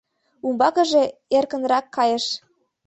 Умбакыже эркынрак кайыш.